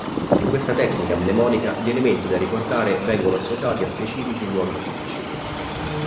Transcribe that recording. In questa tecnica mnemonica gli elementi da ricordare vengono associati a specifici luoghi fisici.